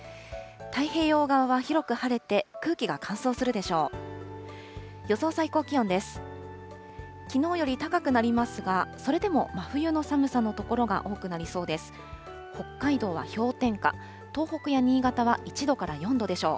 太平洋側は広く晴れて、空気が乾燥するでしょう。